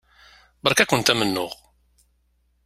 Beṛka-kent amennuɣ.